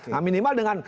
nah minimal dengan